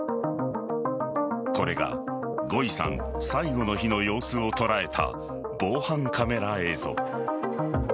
これが、ゴイさん最期の日の様子を捉えた防犯カメラ映像。